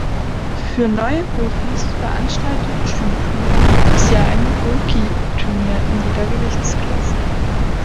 Für neue Profis veranstaltet Shooto jedes Jahr ein Rookie-Turnier in jeder Gewichtsklasse.